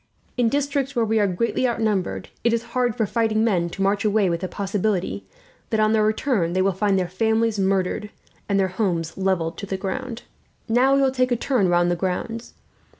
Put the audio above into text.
In districts where we are greatly outnumbered, it is hard for fighting men to march away with the possibility that, on their return, they will find their families murdered and their homes levelled. "Now we will take a turn round the grounds.